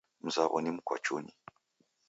Mzaw'o ni mkwachunyi.